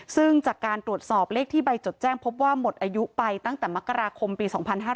ซึ่งจากการตรวจสอบเลขที่ใบจดแจ้งพบว่าหมดอายุไปตั้งแต่มกราคมปี๒๕๕๙